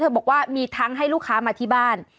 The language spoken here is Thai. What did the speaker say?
บอกว่ามีทั้งให้ลูกค้ามาที่บ้าน